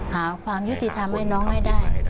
หาความยุติธรรมให้น้องให้ได้